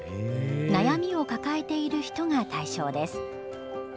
悩みを抱えている人が対象です。